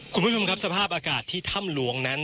คุณผู้ชมครับสภาพอากาศที่ถ้ำหลวงนั้น